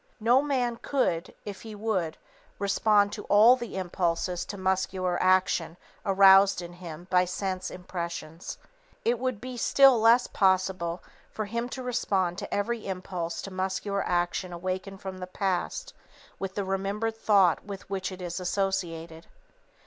No man could, if he would, respond to all the impulses to muscular action aroused in him by sense impressions. It would be still less possible for him to respond to every impulse to muscular action awakened from the past with the remembered thought with which it is associated.